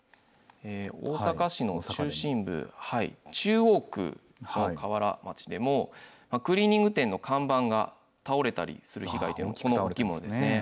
大阪市の中心部、中央区の瓦町でも、クリーニング店の看板が倒れたりする被害という、この大きいものですね。